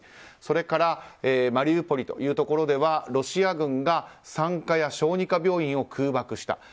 それからマリウポリというところではロシア軍が産科や小児科病院を空爆した。